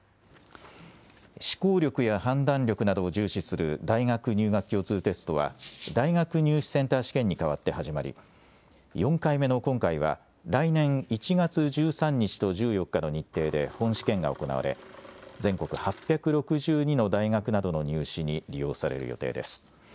思考力や判断力などを重視する大学入学共通テストは、大学入試センター試験に代わって始まり、４回目の今回は、来年１月１３日と１４日の日程で本試験が行われ、全国８６２の大学などの入試に利用される予定です。